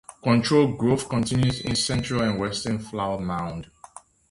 Controlled growth continues in central and western Flower Mound.